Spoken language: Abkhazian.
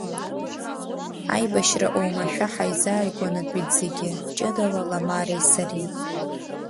Аибашьра оумашәа ҳаизааигәанатәит зегьы, ҷыдала Ламареи сареи.